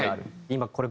今これ。